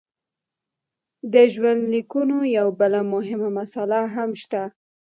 د ژوندلیکونو یوه بله مهمه مساله هم شته.